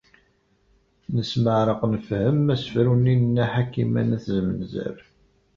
Nesmeɛreq nefhem asefru-nni n Nna Ḥakima n At Zmenzer.